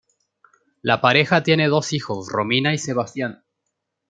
La pareja tiene dos hijos, Romina y Sebastián.